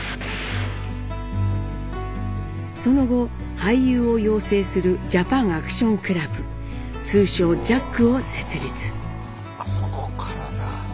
その後俳優を養成するジャパン・アクション・クラブ通称「ＪＡＣ」を設立。